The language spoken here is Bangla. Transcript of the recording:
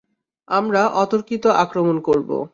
আমরা অতর্কিত আক্রমণ করব।